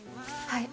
はい。